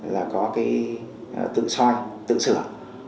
là có cái tự soi tự sửa